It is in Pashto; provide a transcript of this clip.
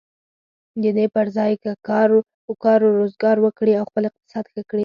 د دې پر ځای که کار و روزګار وکړي او خپل اقتصاد ښه کړي.